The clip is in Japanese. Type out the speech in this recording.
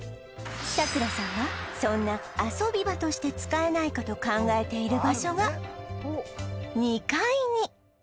さくらさんはそんな遊び場として使えないかと考えている場所が２階に